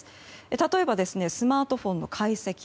例えばスマートフォンの解析。